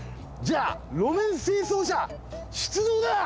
じゃあ路面清掃車出動だ！